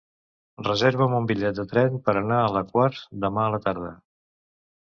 Reserva'm un bitllet de tren per anar a la Quar demà a la tarda.